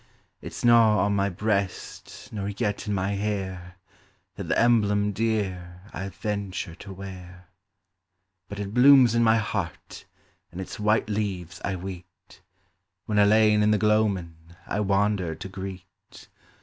It's no on my breast, nor yet in my hair, That the emblem dear I venture to wear ; But it blooms in my heart, and its white leaves I weet. When alane in the gloamin' I wander to greet.